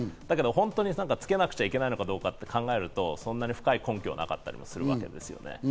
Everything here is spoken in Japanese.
本当につけなきゃいけないのかと考えると、そんなに深い根拠はなかったりするわけですよね。